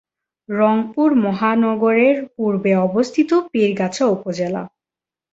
রংপুর মহানগরের পূর্বে অবস্থিত পীরগাছা উপজেলা।